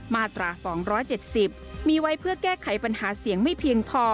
มาตรา๒๗๐มีไว้เพื่อแก้ไขปัญหาเสียงไม่เพียงพอ